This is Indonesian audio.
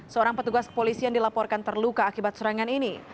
seorang petugas kepolisian dilaporkan terluka akibat serangan ini